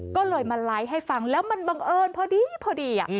ก็เลยมาไลฟ์ให้ฟังแล้วมันบังเอิญพอดีพอดี